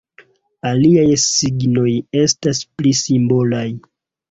Aliaj signoj estas pli simbolaj.